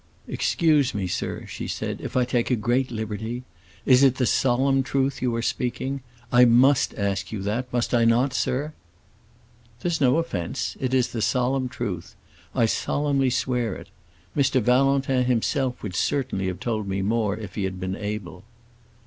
"Excuse me, sir," she said, "if I take a great liberty. Is it the solemn truth you are speaking? I must ask you that; must I not, sir?" "There's no offense. It is the solemn truth; I solemnly swear it. Mr. Valentin himself would certainly have told me more if he had been able."